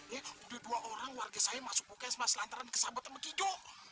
iya udah dua orang warga saya masuk bukan semasa lantaran ke sahabat sama kijo